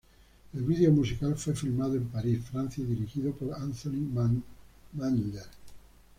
El video musical fue filmado en París, Francia y dirigido por Anthony Mandler.